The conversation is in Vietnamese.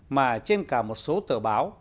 mà trên cả một số tờ báo